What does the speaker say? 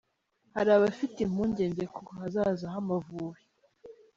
Hari abafite impungenge ku hazaza h’Amavubi.